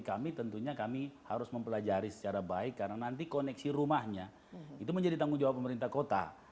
kami tentunya kami harus mempelajari secara baik karena nanti koneksi rumahnya itu menjadi tanggung jawab pemerintah kota